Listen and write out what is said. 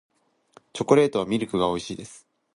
チョコレートはミルクが美味しいです